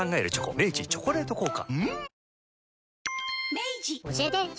明治「チョコレート効果」